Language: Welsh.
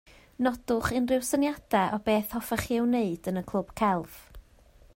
Nodwch unrhyw syniadau o bethau hoffech ei wneud yn y clwb celf